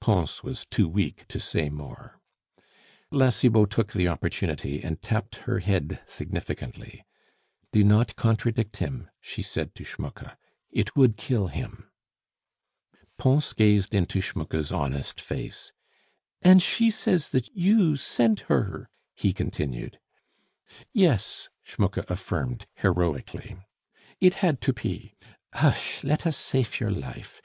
Pons was too weak to say more. La Cibot took the opportunity and tapped her head significantly. "Do not contradict him," she said to Schmucke; "it would kill him." Pons gazed into Schmucke's honest face. "And she says that you sent her " he continued. "Yes," Schmucke affirmed heroically. "It had to pe. Hush! let us safe your life.